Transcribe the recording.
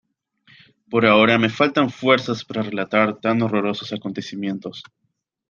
Pero ahora me faltan fuerzas para relatar tan horrorosos acontecimientos.